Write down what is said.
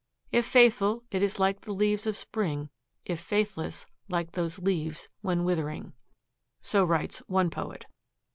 If faithful, it is like the leaves of Spring; If faithless, like those leaves when withering." So writes one poet.